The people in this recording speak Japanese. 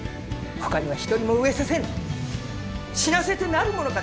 ほかには一人も飢えさせぬ死なせてなるものか！